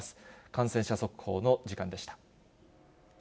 感染者速報の時間でした。